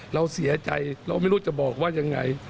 เราเสียใจเราไม่รู้จะบอกว่ายังไง